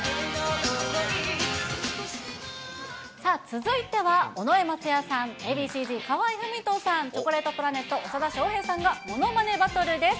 続いては、尾上松也さん、Ａ．Ｂ．ＣーＺ・河合郁人さん、チョコレートプラネット・長田庄平さんがものまねバトルです。